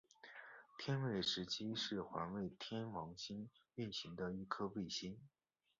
天卫十七是环绕天王星运行的一颗卫星。